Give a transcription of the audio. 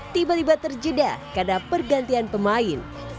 tiba tiba terjeda karena pergantian pemain